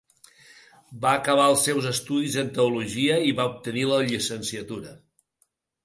Va acabar els seus estudis en teologia i va obtenir la llicenciatura.